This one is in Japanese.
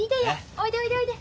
おいでおいでおいで。